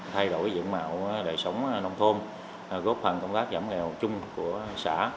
thay đổi diện mạo đời sống nông thôn góp phần công tác giảm nghèo chung của xã